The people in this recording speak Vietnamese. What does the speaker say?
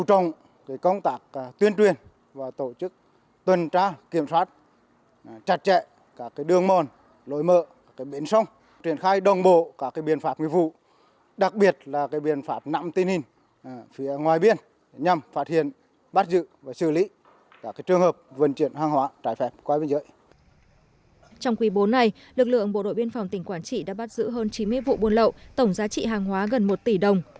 trong quý bốn này lực lượng bộ đội biên phòng tỉnh quảng trị đã bắt giữ hơn chín mươi vụ buôn lậu tổng giá trị hàng hóa gần một tỷ đồng